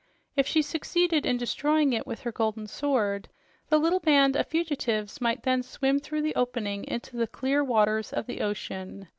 If she succeeded in destroying it with her golden sword, the little band of fugitives might then swim through the opening into the clear waters of the ocean.